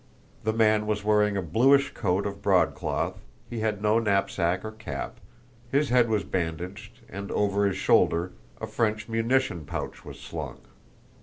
The man was wearing a bluish coat of broadcloth, he had no knapsack or cap, his head was bandaged, and over his shoulder a French munition pouch was slung.